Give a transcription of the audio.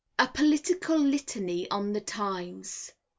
A POLITICAL LITANY ON THE TIMES.